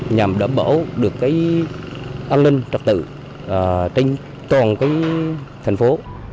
nhằm đảm bảo được an ninh trật tự trên toàn thành phố